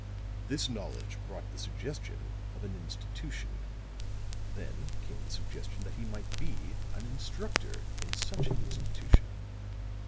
This knowledge brought the suggestion of an institution. Then came the suggestion that he might be an instructor in such an institution.